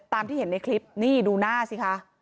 ตามที่เห็นในคลิปนี่ดูหน้าสิคะ